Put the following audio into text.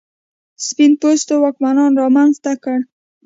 سپین پوستو واکمنانو رامنځته کړ.